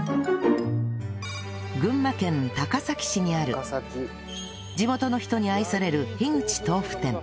群馬県高崎市にある地元の人に愛される樋口豆富店